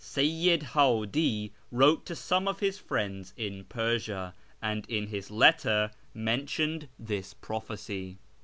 Seyyid IL'idi wrote to some of his friends in Persia, and in his letter men tioned this prophecy.